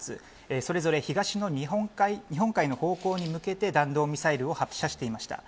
それぞれ東の日本海の方向に向けて、弾道ミサイルを発射していました。